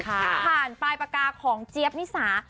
ผ่านปลายปากกาของเจี๊ยบนิสา